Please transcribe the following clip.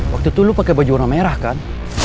waktu itu lu pakai baju warna merah kan